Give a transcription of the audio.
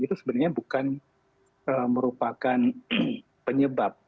itu sebenarnya bukan merupakan penyebab